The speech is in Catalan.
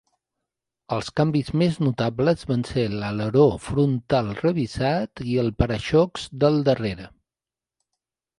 Els canvis més notables van ser l'aleró frontal revisat i el para-xocs del darrere.